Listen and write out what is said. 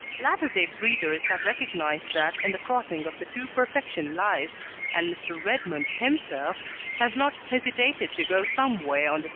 Latter day breeders have recognised that in the crossing of the two perfection lies, and Mr. Redmond himself has not hesitated to go some way on the same road.